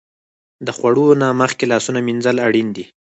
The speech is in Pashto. د خوړو نه مخکې لاسونه مینځل اړین دي.